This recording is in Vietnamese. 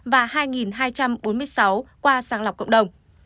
và hai hai trăm bốn mươi sáu qua sàng lọc cộng đồng